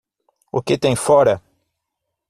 O que tem fora?